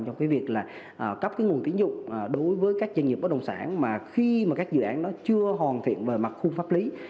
trong cái việc là cấp cái nguồn tín dụng đối với các doanh nghiệp bất động sản mà khi mà các dự án đó chưa hoàn thiện về mặt khung pháp lý